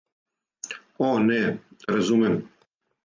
О, не, разумем.